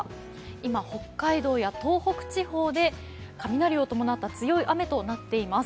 今、北海道や東北地方で雷を伴った強い雨となっています。